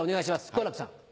好楽さん。